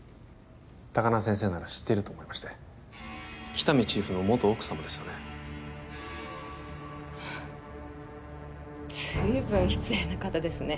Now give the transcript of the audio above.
高輪先生なら知っていると思いまして喜多見チーフの元奥様ですよね随分失礼な方ですね